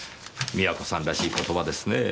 美和子さんらしい言葉ですねぇ。